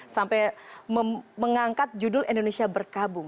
sampai mengangkat judul indonesia berkabung